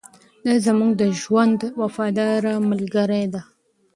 دا زموږ د ژوند وفاداره ملګرې ده.